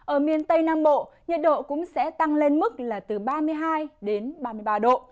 ở miền tây nam bộ nhiệt độ cũng sẽ tăng lên mức là từ ba mươi hai đến ba mươi ba độ